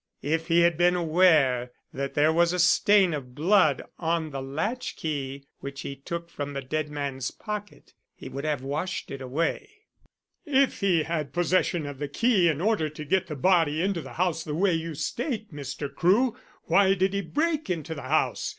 If he had been aware that there was a stain of blood on the latch key which he took from the dead man's pocket, he would have washed it away." "If he had possession of the key in order to get the body into the house in the way you state, Mr. Crewe, why did he break into the house?